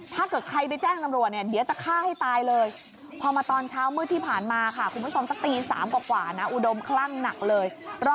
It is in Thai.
ถ้าเกิดใครได้แจ้งตำรวจเนี่ยเดี๋ยวจะฆ่าให้ตายเลย